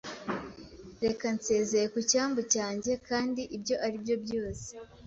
reka nsezeye ku cyambu cyanjye. Kandi ibyo aribyo byose. ”